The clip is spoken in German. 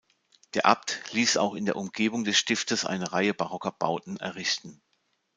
Der Abt ließ auch in der Umgebung des Stiftes eine Reihe barocker Bauten errichten.